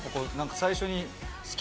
最初に。